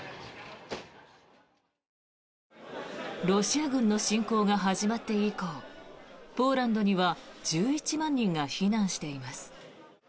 ロシア軍の侵攻が始まって以降ポーランドには１１万人が避難しています。